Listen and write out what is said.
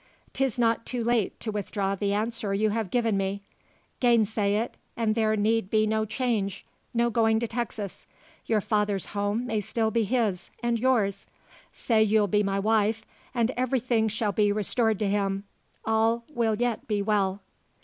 'Tis not too late to withdraw the answer you have given me. Gainsay it, and there need be no change no going to Texas. Your father's home may still be his, and yours. Say you'll be my wife, and everything shall be restored to him all will yet be well."